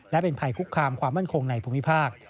และเป็นภัยคุกคามความมั่นคงในภูมิภาค